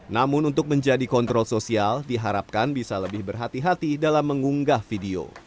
namun untuk menjadi kontrol sosial diharapkan bisa lebih berhati hati dalam mengunggah video